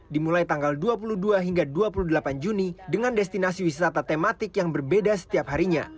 dimulai tanggal dua puluh dua hingga dua puluh delapan juni dengan destinasi wisata tematik yang berbeda setiap harinya